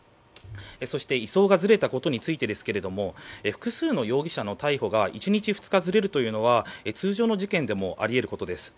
そして、移送がずれたことについてですが複数の容疑者の逮捕が１日、２日ずれるというのは通常の事件でもあり得ることです。